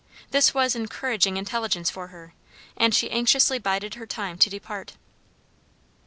This was encouraging intelligence for her, and she anxiously bided her time to depart.